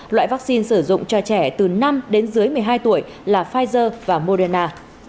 loại vaccine sử dụng cho trẻ từ năm đến dưới một mươi hai tuổi là pfizer và moderna